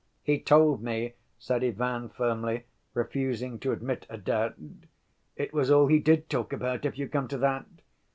"He told me," said Ivan firmly, refusing to admit a doubt. "It was all he did talk about, if you come to that.